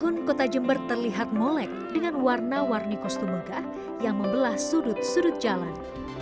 namun kota jember terlihat molek dengan warna warni kostum megah yang membelah sudut sudut jalan